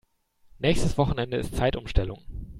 Nächstes Wochenende ist Zeitumstellung.